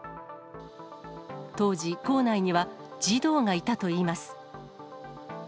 当時、校内には児童がいたといいます。